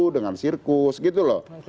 dengan sirkus gitu loh